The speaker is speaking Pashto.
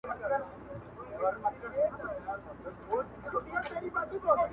o چي زموږ څه واخله دا خيرن لاســـــونه.